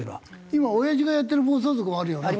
今オヤジがやってる暴走族もあるよな。